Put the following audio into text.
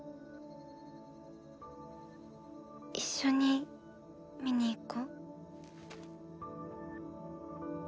一緒に見に行こ？